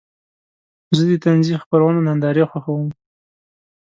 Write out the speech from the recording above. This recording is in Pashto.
زه د طنزي خپرونو نندارې خوښوم.